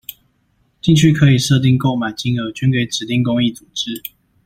進去可以設定購買金額捐給指定公益組織